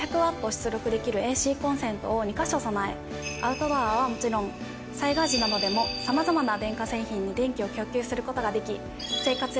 出力できるＡＣコンセントを２か所備えアウトドアはもちろん災害時などでもさまざまな電化製品に電気を供給することができ。